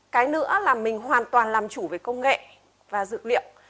cái nữa là mình hoàn toàn làm chủ về công nghệ và dược liệu